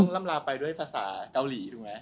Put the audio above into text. ลำลาไปด้วยภาษาเกาหลีถูกไหม